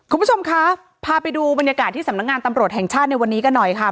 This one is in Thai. คุณผู้ชมคะพาไปดูบรรยากาศที่สำนักงานตำรวจแห่งชาติในวันนี้กันหน่อยค่ะ